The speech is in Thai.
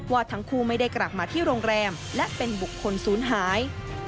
ว่าทั้งคู่ไม่ได้กลับมาที่โรงแรมและเป็นบุคคลศูนย์หาย